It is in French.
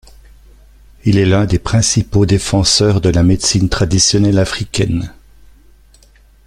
Il est l'un des principaux défenseurs de la médecine traditionnelle africaine.